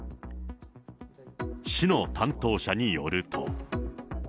市の担当者によると。